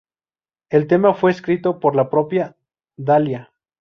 El tema fue escrito por la propia Dahlia.